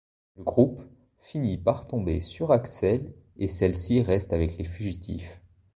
Le groupe finit par tomber sur Alex et celle-ci reste avec les fugitifs.